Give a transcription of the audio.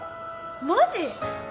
マジ！？